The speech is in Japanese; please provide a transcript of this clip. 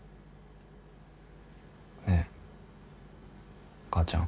ねえ母ちゃん。